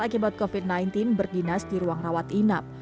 akibat covid sembilan belas berdinas di ruang rawat inap